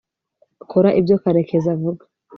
kora ibyo karekezi avuga